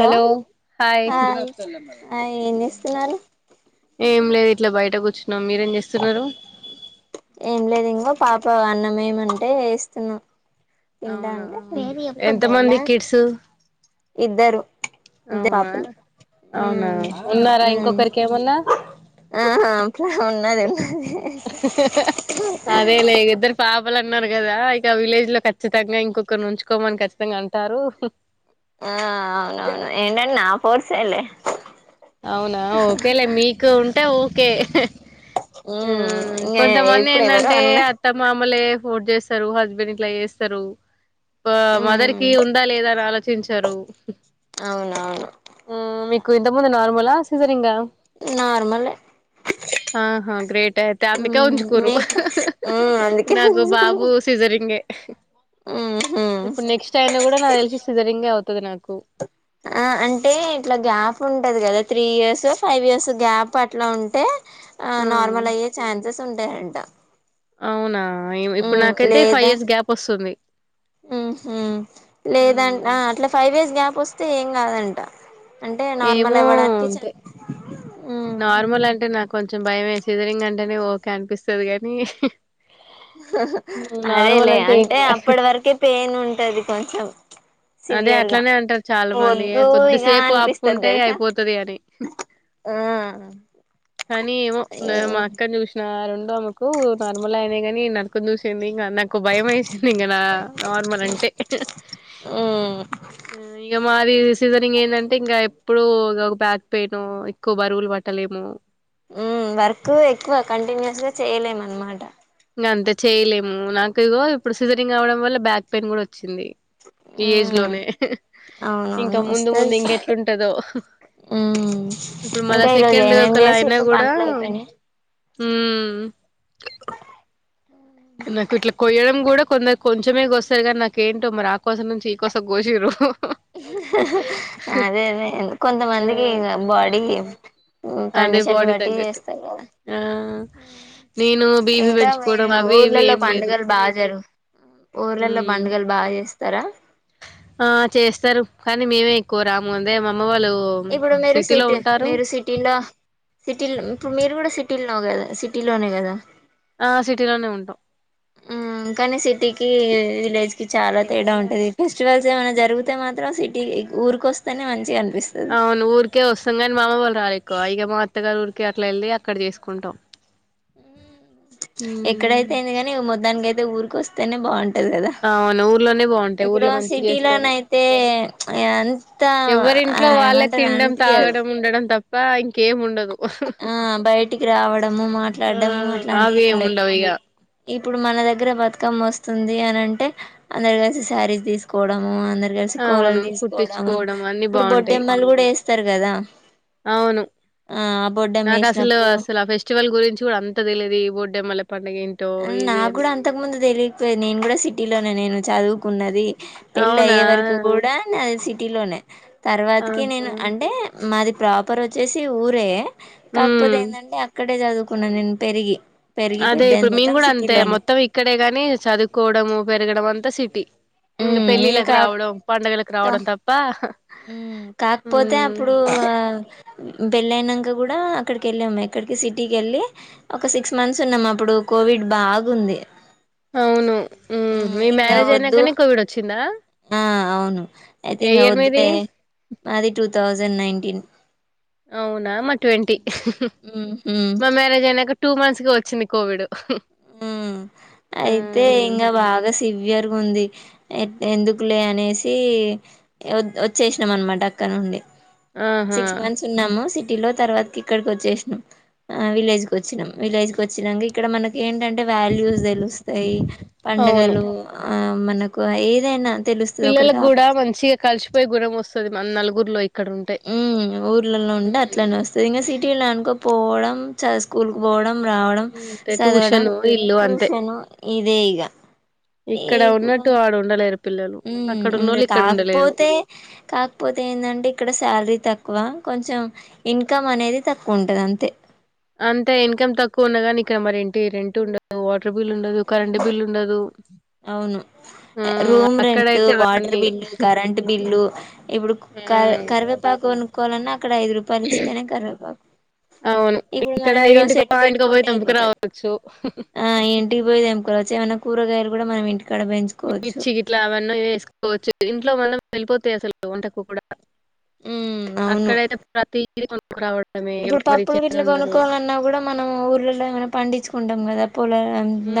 Hello hi ఆ ఏం చేస్తున్నారు ఏ లేదు ఇట్లా బయట కూర్చున్నాం మీరేం చేస్తున్నారు ఏం లేదు ఇంకో పాప అన్నం వేమంటే వేస్తున్నాం అవునా ఎంత మంది కిడ్స్ ఇద్దరు ఇద్దరు అవునా పాపలు అవునా ఉన్నారా మ్మ్ ఇంకొకరికి ఏమన్నా ఉన్నారు ఉ అదే లే ఇద్దరు ఫ్యాబ్ అ అన్నారు కదా ఇక విలేజ్ లో ఖచ్చితంగా ఇంకొకరు ఉంచుకోమని ఖచ్చితంగా అంటారు ఆ అవునవును ఏంటన్న పోర్స అలేే అవునా ఓకేలే మీకు ఉంటే ఓకే మ్మ్ ఇంగ కొంతమంది ఇప్పుడు ఎవరు ఏంటంటే అన్న అత్తమామలే సపోర్ట్ చేస్తారు హస్బెండ్ ఇట్లా చేస్తారు మదర్ మ్మ్ కి ఉందా లేదా అని ఆలోచించారు అవున అవును కొ నార్మలా సీజరింగా నార్మలే ఆహా గ్రేట్ అయితే అందుక మ్మ్ ఉంజుకూరు మీకు మ్మ్ అందుకే నాకు బాబు సిజరింగ్ే మ్మ్ హ్మ్ ఇప్పుడు నెక్స్ట్ అయినా కూడా నా తెలిసి సిజరింగే అవుతుంది ముత్త నాకు ఆ అంటే ఇట్లా గ్యాప్ ఉంటది కదా three years five years gap అట్లా ఉంటే ఆ నార్మల్ అయ చా స్ ఉంటేంట అవునా ఇప్పుడు హ్మ్ నాకైతే ఫైవ్ లేదా ఇయర్స్ గ్యాప్ వస్తుంది హ్మ్ లేదాంట మ్మ్ అట్లా ఫైవ్ ఇయర్స్ గ్యాప్. వస్తే ఏం కాదంట. అంటే నార్మల్ ఏమో ఇవ్వడానికి. అంతే నార్మల్ అంటే నాకు. కొంచం భయం వేసింది రింగ్ అంటేనే ఓకే అనిపిస్తాది కాని. అదేలే అంటే అప్పటి వరకే పెన్ ఉంటాది కొంచం. అదే అట్లానే అంటారు చాలా మంది ఇగ కొద్దిసేపు అనిపిస్తది ఆపుకుంటే తెలుసా అయిపోతుది అని ఆ కానీ ఏమో మా అక్కను చూసిన రెండు ఆమకు నార్మల్ అయిన కానీ నరకొని చూసింది ఇంకా నాకు భయం వేసింది ఇంక నా నార్మల్ అంటే ఉమ్ ఇక మది సీజరింగ్ ఏంటంటే ఇంకా ఎప్పుడ ఇ ఒక బ్యాక్ పెయిన్ ఎక్కువ బరువులు పట్టలేము వర్క్ ఎక్కువ కంటిన్యూస్ గా చేయలేము అనమాట ఇక అంత చేయలేము నాకు ఇదిగో ఇప్పుడు సీజనింగ్ అవడం వల్ల బ్యాక్ పెయిన్ కూడా వచ్చింది ఏజ్ మ్మ్ లోనే ఇంకా అవునవును ముందు ముందు వస్తది ఇంకెట్లుంటందో మ్మ్ ఇప్పుడు మళ ఇంకా ఈరోజు సెకండ్ ఏమేం ఒకలా అయినా చేసిర్రు కూడా పనులు అయిపోయినాయా ఉమ్ నాకు ఇట్లా కొయ్యడం కూడా కొందరు కొంచెమే కోస్తారు కానీ నాకేంటో మరి ఆ కోసం నుంచి ఈ కోసం కోచరు అదే అదే కొంతమందికి బాడీ అదే కండిషన్ ని బాడి బట్టి తగ్గట్టు చేస్తారు కదా ఆ నేను బీపీ ఇంకా పెంచుకోవడం మీరు అవి ఇవి ఊర్లలో ఏం లేదు పండుగలు బాగా జరు ఊర్లలో మ్మ్ పండుగలు బాగా చేస్తరా ఆ చేస్తరు కానీ మేమే ఎక్కువ రాము ఉందే మమ ఇప్పుడు మీరు సిటీ మీరు సిటీలో సిటీ ఇప్పుడు మీరు కూడా సిటీలో వు కదా సిటీలోనే కదా ఆ సిటీలోనే ఉంటాం ఉమ్ కని సిటీకి విలేజ్ కి చాలా తేడా తెలుగులో ఉంటది ఉన్నాక ఫెస్టివల్స్ ఏమైనా జరుగు తే మాత్రం సిటీ ఊరికొస్తేనే మంచిగన్ అవును ఊరికే ఒస్తంగని మామ వాల్లు రారెక్కువ ఈగ మా అత్తగారు ఊర్కి గ అట్ల ఎల్లి అక్కడ చేసుకుంటాం మ్మ్ ఎక్కడైతేంది గని మొద్దానిక అయితే ఊరికొస్తేనే బాగుంట్ ది కదా అవును ఊర్లోనే బాగుంటాయి ఇప్పుడు ఊర్లో ఆ మంచిగా చేస్తారు సిటీలోనయితే అంత ఎవరింట్లో ఏమంటారు అనిపీయదు ప్పా ఇంకేముండదు ఆ బయటికి రావడము ఆ మాట్లాడము అవి అట్లాంటివి ఏం ఉండయి ఉండవు ఇగ ఇప్పుడు మన దగ్గర బతుకమ్మ వస్తుంది అని అంటే అందరు కలిసి శారీస్ తీసుకోవడం అందరు కలిసి అవును కోలలు తీసుకోవడము కుట్టించుకోవడం అన్ని ఇప్పుడు బాగుంటాయి బొడ్డెమ్మలు కూడా ఎస్ స్తరు కదా అవును ఆ బొడ్డెమ్మ నాకు అసలు వేసినప్పుడు అసలు ఆ ఫెస్టివల్ గురించి కూడా అం తెలిదు ఈ బోడ్డెమ్మ ల అ నా కూడా అంతకు ముందు తెలీ ది నేను కూడా సిటీలోనే నేను చదువుకున్నది పెళ్ళి అవునా అయ్యే వరకు కూడా నాది సిటీ లోనే తర్వాతకి ఆహా నేను అంటే మాది ప్రాపర్ ఒచ్చేసి ఊరే కాకపోతే ఉమ్ ఏందంటే అక్కడ డే చదువుకున్న నేను పెరిగి పెరిగి పెద్దయిని మ్ కుడ అంతే మొత్తం ఇక్కడే గాని చదువుకోవడంము పెరగడం అంతా సిట్ టి ఇంగ ఉమ్ ఇక పెళ్ళిళలకు రావడం పండగలకు రావడం తప్ప ఉ కాకపోతే ఉమ్ అప్పుడు పెళ్ళయినంక కూడా అక్కడికి వెళ్ళాము అక్కడికి సిటీకి వెళ్ళి ఒక సిక్స్ మంత్స్ ఉన్నాము అప్పుడు కోవిడ్ బాగుంది అవును మ్మ్ మీ ఇంగ మ్యారేజ్ వద్దు అయినాకనే కోవిడ్ వచ్చిందా ఏ ఇయర్ మీది అంటే మాది టూ తౌసండ్ థౌజండ్ నైన్టీన్ అవున మాది ట్వంటీ మ్మ్ హ్మ్ మా మ్యారేజ్ అయినంక టూ మంత్స్ కి వచ్చింది కోవిడ్ ఉ అయితే హ్మ్ ఇంకా బాగా సివియర్ గా ఉంది ఎందుకులే అనేసి వచ్చేసినాం అనమాట అక్కడ నుండి ఆహా సిక్స్ మంత్స్ ఉన్నాము సి సిటీలో తర్వాత ఇక్కడికి వచ్చేసినం విలేజ్ వచ్చినాం విలేజ్ వచ్చినంక ఇక్కడ మనక ఏంటంటే వాల్యూస్ తెలుస్తాయి అవును పండగలు ఆ మనకు ఏదైనా తెలుస్తుంది ఒకరికి పిల్లలకి ఆప కూడా మంచిగా కలిసిపోయే గుణం వస్తుది మన నలుగు నలుగుర్లో ఉ ఊర్లలో ఉంటే అట్లనే వస్తుంది ఇంకా సిటీలో అనుకో పోవడం చ స్కూల్ కు పోవడం రావడం అంతే చదవడం ట్యూషన్ ఇల్లు అంతే ట్యూషను ఇదే ఇక ఇక్కడ ఇప్పుడు ఉన్నట్టు ఆడ ఉండలేరు పిల్లలు ఉ అక్కడ ఉండ ఉన్నోళ్ళు ఇక్కడ ఉండలేరు కాకపోతే కాకపోతే ఏంటంటే ఇక్కడ శాలరీ తక్కువ కొంచెం ఇన్కమ్ అనేది తక్కువ ఉంటది అంతే అంతే ఇన్కమ్ తక్కువ ఉన్నగాని ఇక్కడ మరి ఇంటి రెంట్ ఉండదు వాటర్ బిల్ ఉండదు కరెంట్ బిల్ ఉండదు అవును హ్మ్ రూమ్ రెంట్ అక్కడైతే వాటర్ అవన్నీ బిల్లు కరెంట్ బిల్లు ఇప్పుడు హ్మ్ కరివేపాకు కొను కొనుక్కోవాలన్న అక్కడ ఐదు రూపాయలు ఇస్తేనే కరవేపాకు అవును ఇప్పుడు ఇక్కడ మనం ఇడో ఇంటికో సెట్టు ఆ ఇంటికో పెట్టుకుంటే పోయి తెంపుకు అయిపోతది రావచ్చు ఆ ఇంటికి పోయి తెంపుకోవచ్చు కూరగాయలు కూడ మనం ఇంటికాడ పెంచుకోవచ్చు మిర్చికి ఇట్లా అవన్నీ వేసుకోవచ్చు ఇంట్లో మనం వెళ్ళిపోతే అసలు వంటకు కూడా ఉమ్ అవును అక్కడయితే ప్రతిదీ కొ ఇప్పుడు పప్పులు ఇట్లా కొనుక్కోవాలన్నా కూడా మనం ఊర్ళలో పండించుకుంటాం కదా పొల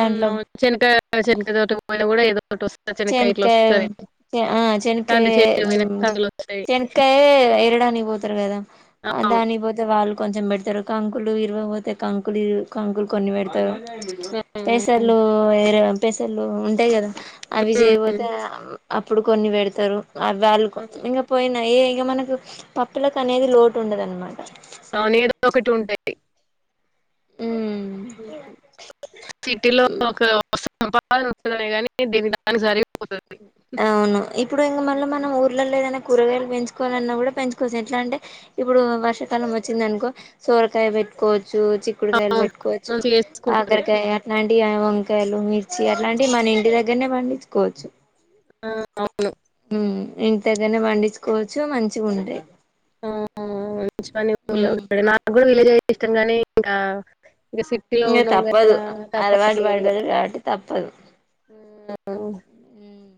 దాంట్లో [unintelligible] మన కూడా ఏద చెన్కాయ ఆ చెన్కాయ కంది చేతి పోయిన కందులు వస్తాయి చెన్కాయ ఏరడానికి పోతారు కదా అవును దానికిపోతే వాళ్ళు కొంచెం పెట్ ఇర కంకులు ఇరువపోతే కంకులు కంకులు కొన్ని పెడతారు ఉమ్, పేసర్లు ఏరడం పేసర్లు ఉంట అంతే కదా అవి జేయపోతే అప్పుడు కొన్ని పెడతారు ఉమ్, [unintelligible] ఇక మనకు పప్పులకు అనేది లోటు ఉండదనమాట అవును ఏదో ఒకటి ఉంటాయి ఉమ్ సిటీలో ఒక సంపాదన ఉంటది గాని దేని దానికి సరి అవును ఇప్పుడు ఇంక మళ్ళ ఉమ్, మనం ఊర్లో లేదైనా కూరగాయలు కోనలన్నా కూడా పెంచుకోవచ్చు ఎట్లా అంటే ఇప్పుడు వర్షాకాలం వచ్చింది అనుకో సోరకాయ పెట్టుకోవచ్చు చిక్కుడుకాయలు అవును పెట్టుకోవచ్చు మంచిగా చేసుకుంటారు కాకరకాయ అ వండి వంకాయలు మిర్చి అట్లాంటివి మన ఇంటి దగ్గరనే పండించుకోవచ్చు. ఆ అవును ఇంటి దగ్గరనే పండించుకోవచ్చు మంచిగా ఉంటాయ్ ఆ మంచి పని ఊర్లో ఉండటమే నాకు ఇదే ఇష్టం కానీ ఇంకా ఇంకా సిటీలో ఇంక ఉన్నాం తప్పదు కదా అలవాటు తప్పట్లేదు. పడ్డారు కాబట్టి తప్పదు ఉమ్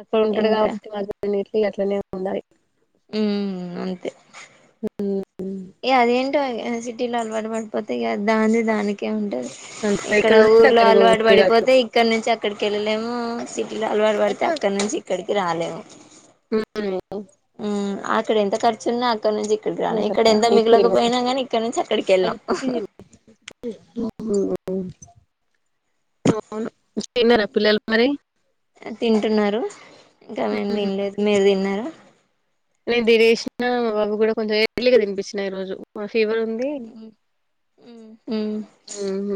అక్కడ ఉంటడు ఇంకా కాబట్టి మా ఇగ అట్లనే ఉండాలి. ఉమ్ అంతే ఉమ్ ఏ అదేంటో అగే సిటీలో అలవాటు కాకపోతే దాన్నిది దానికే ఉంటది అంత ఇక్కడ ఉంటే ఊర్లో అక్కడికి అలవాటు పోబుద్ది కాదు పడిపోతే ఇక్కడ నుంచి అక్కడికి వెళ్ళలేము. సిటీలో అలవాటు పడితే అక్కడ నుంచి ఇక్కడికి రాలేము. ఉమ్ ఉమ్ అక్కడ ఎంత ఖర్చు ఉన్నా ఇక్కడ నుంచి ఇక్కడికి రాల ఇక్కడ ఎంత అసలు ఇప్పుడు మిగిలకపోయినా కానీ ఇక్కడ నుంచి అక్కడికి వెళ్ళాం ఇప్పుడు, ఉమ్, అవును తిన్నారా పిల్లలు మరి తింటున్నారు ఇంకా మేం తినలేదు మీరు తిన్నారా నేను తినేసిన మా బాబు కూడా కొంచెం ఎర్లీగా తినిపిచిన ఈ రోజు మా ఫీవర్ మ్ మ్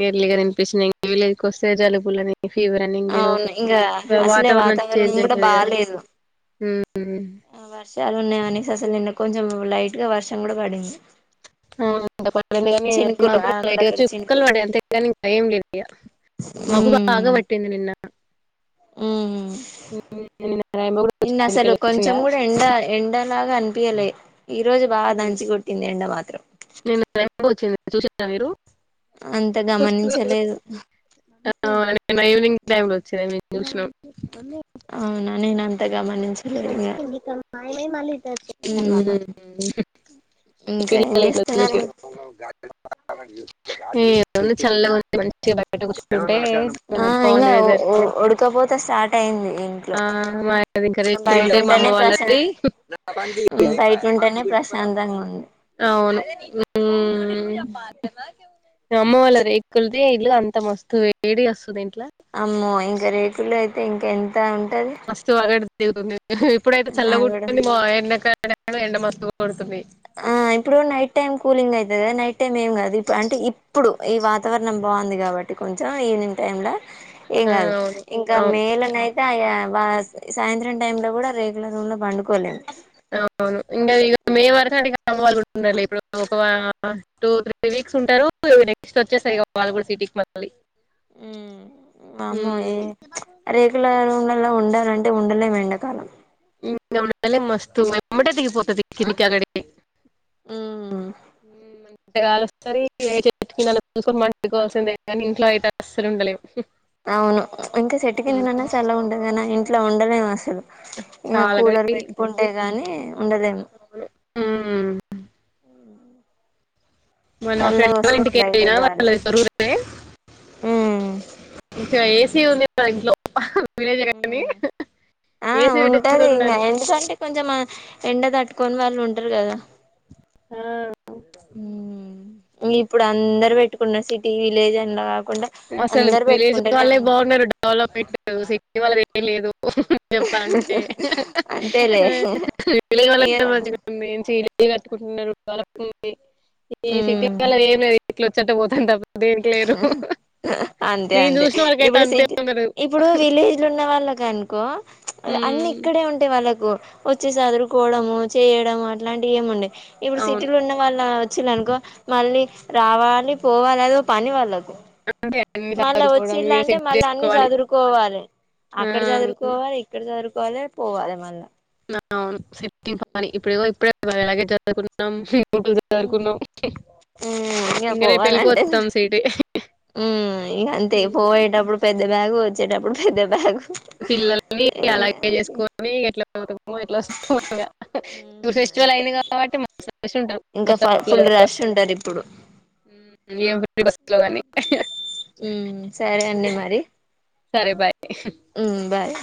ఎర్లిగా ని [unintelligible] వస్తే చాలు పుల్లవి అవును ఇంకా అసలే వాతావరణం చేంజ్ కూడా అవుతుంది కదా బాలేదు అ వర్షలు ఉనాయి అనేసి అసలు నిన్న కొంచెం లైట్ గా వర్షం కూడా పడింది [unintelligible] చినుకులు మాక్కూడ లైట్ గా అక్కడక్కడ చుక్కలు చినుకులు పడ్డయి అంతేకాని ఇంకా ఏం లేదు ఇగ మబ్బు బాగా ఉమ్ పట్టింది నిన్న. ఉమ్ నిన్న రెయిన్బో కూడా నిన్న వచ్చింది అసలు మీకెళ్ళి కొంచెం వచ్చిందా కూడా ఎండ ఎండలాగా అని పియ్యలె ఈ రోజు బాగా దంచి కొట్టింది ఎండ మాత్రం చూసిర్రా మీరు అంత గమనించలేదు ఆనే నిన్న ఈవినింగ్ టైమ్ లో వచ్చినవి దూసినం అవునా నేనంత గమనించచలేదు మే హ్మ్ మ్మ్ హ్మ్ పిల్లల చేస్తున్నారు [unintelligible] [unintelligible] చల్లుగుంది మంచిగ బయట కూచోనుం టే ఆ బాగుంది వెదరు ఉడకపోతే స్టార్ట్ అయింది ఇంట్లో ఆ మా ఇంకా రేకులు బయట ఉంటాయి మా అమ్మ ఉంటేనే ప్రశా వాళ్ళది బయట ఉంటేనే ప్రశాంతంగా ఉంది అవును ఉమ్ హ్మ్. మ అమ్మ వాళ్ల రేక్కుల్ది ఇల్లు అంత మస్తు వేడిగస్తదిం అమ్మో ఇంక రేకులే ఇంకేం అంతా ఉంటది నీల్ ధులే ఇప్పుడు అయితే ఆ చల్లగ కూడా వుంటుంది మా ఎండక్ అడ ఎండ మస్తు కొడుతుంది ఆ ఇప్పుడు నైట్ టైం కూలింగ్ అయితది కదా నైట్ టైమ్ ఏం కాదు ఇప్పుడు అంటే ఇప్పుడు ఈ వాతావరణం బాగుంది కాబట్టి కొంచెం ఈవినింగ్ టైమ్ లో ఏం ఆ కాదు అవును ఇంకా అవును మేలోనైతే అయ ఆ సాయంత్రం టైమ్ లో కూడా రేకుల రూంలో పండు అవును ఇంగ మే వరకు ఉండాలి ఇప్పుడు ఒక టూ త్రీ వీక్స్ ఉంటరు నెక్స్ట్ వచ్చేస్తయ్ వాళ్ళు కూడా సిటీకి మళ్ళీ ఉమ్ వామ్మో ఉమ్, ఏ రేకుల రూమ్లలో ఉండ ఉండాలంటే ఉండలేం ఎండాకాలం మస్తు ఎమ్మటె దిగి పోతది కిందికీ ఆగటికి ఉమ్ ఇమ్ అంటే గాలోస్తది. కిటిలల్లు చూసుకొని పండుకోవాల్సిందే కానీ, ఇంట్లో అయితే అసలు ఉండలేము. అవును ఇంకా ఉమ్, చెట్టుకిందనన్నా సల్లగుంటది కానీ ఇంట్లో ఉంటే ఉండలేం అసలు ఇంకా చాలా కూలర్ గడి పెట్టుకుంటే గాని ఉండలేము అవును ఉమ్, మొన్న మా ఫ్రెండ్ చల్లగా వాల వస్తుంది బయట ఇంటికెళ్ళిన గాలి వాళ్ళు ఇద్దరు అయితే ఉమ్ ఇ ఏసీ ఉంది కదా ఇంట్లో ఉహు విలేజ్ కానీ ఆ ఏసిలో అయితే ఉంటది ఇంకా ఉండరు ఎందుకంటే కొంచెం ఎండ తట్టుకొని వాళ్ళు ఉంటరు కదా ఆ ఇప్పుడు అందరు పెట్టుకున్న సిటీ విలేజ్ అలాగా అసలు విలేజ్ వాళ్లే బాగున్నారు డెవలప్మెంట్ చూసేకి ఇవాళది ఏం లేదు చెప్పాలంటే అంతేలే విలేజ్ వాళ్లదే మంచిగ ఉంది ఇల్లు కట్టుకుంటున్నారు వాళ్లకు ఈ సిటీ ఇ వాళ్ళది ఏమున్నది ఇట్లొచ్చేటప్పుడు అంతబా దేనికిలేరు అంతే అంతే ఇప్పుడు సిటీ ఉన్నారు ఇప్పుడు విలేజ్ ఉన్న వాళ్ళ గన్కో అన్ని ఉమ్, ఇక్కడే ఉంటాయి వాళ్ళకు వచ్చి చదురుకోవడము చేయడము అట్లాంటివి ఏముండే ఇప్పుడు అవును సిటీలు ఉన్న వాళ్ళు వచ్చిరనుకో మళ్ళీ రావాలి పోవగాదు పని వాళ్ళకు అంటే అన్ని మళ్ళా చదువుకోవడం వీడ వచ్చిందంటే సెట్ మళ్ళా అన్ని చేసుకోవాలి చదురుకోవాలి ఆ, అక్కడ చదురుకోవాలి ఇక్కడ చదురుకోవాలి పోవాల మళ్ళ అవును ఇప్పుడే వో ఇప్పుడే ఇలాగే చేదం అనుకున్నాం జరుకున్నాం ఇక ఇంక రేపు పోవాలంటే వెళ్ళిపోతాం సీటి ఇప్పుడు పెద్ద బ్యాగ్ పిల్లల్ని అలాగే చేసుకొని ఎట్ల అ ట్లా ఉమ్ ఫస్టివల్ అంతే అయింది కాబట్టి ఇంకా ఫుల్ రష్ ఉంటారు ఇప్పుడు ఫ్రీ బస్ లో కాని హ్మ్ సరే అండి మరి సరే బాయ్ హ్మ్ బాయ్